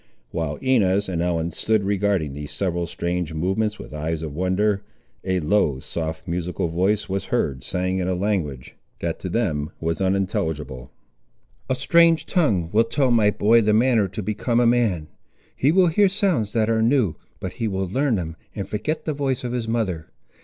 While Inez and Ellen stood regarding these several strange movements with eyes of wonder, a low soft musical voice was heard saying in a language, that to them was unintelligible— "A strange tongue will tell my boy the manner to become a man. He will hear sounds that are new, but he will learn them, and forget the voice of his mother.